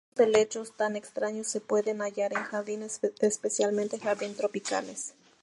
Estos helechos tan extraños, se pueden hallar en jardines, especialmente jardín tropicales.